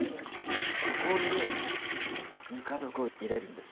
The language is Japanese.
ここにぬか床を入れるんです。